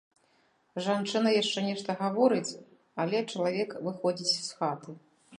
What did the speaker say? Жанчына яшчэ нешта гаворыць, але чалавек выходзіць з хаты.